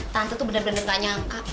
tante tuh bener bener gak nyangka